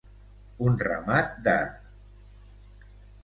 Un ramat de.